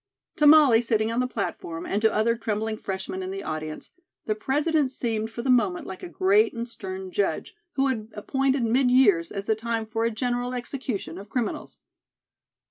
To Molly, sitting on the platform, and to other trembling freshmen in the audience, the President seemed for the moment like a great and stern judge, who had appointed mid years as the time for a general execution of criminals.